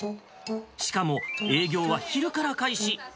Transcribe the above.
しかも、営業は昼から開始。